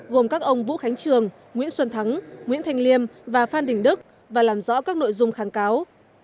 gồm các ông vũ khánh trường nguyễn xuân thắng nguyễn thanh liêm và phan đình đức và làm rõ các nội dung kháng cáo